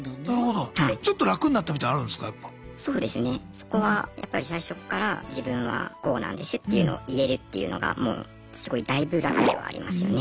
そこはやっぱり最初っから自分はこうなんですっていうのを言えるっていうのがもうすごい大分楽ではありますよね。